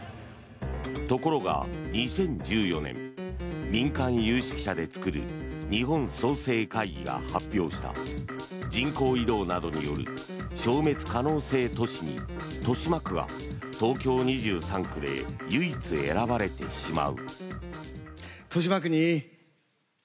ところが２０１４年民間有識者で作る日本創成会議が発表した人口移動などによる消滅可能性都市に豊島区が東京２３区で唯一選ばれてしまう。